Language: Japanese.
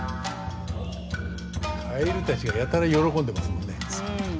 蛙たちがやたら喜んでますもんね。